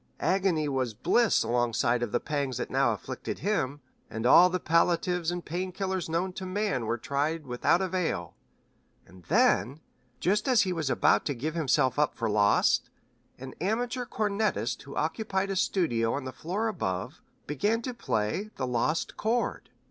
Agony was bliss alongside of the pangs that now afflicted him, and all the palliatives and pain killers known to man were tried without avail, and then, just as he was about to give himself up for lost, an amateur cornetist who occupied a studio on the floor above began to play the 'Lost Chord.'